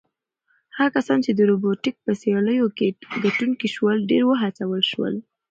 هغه کسان چې د روبوټیک په سیالیو کې ګټونکي شول ډېر وهڅول شول.